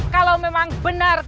kalau memang benar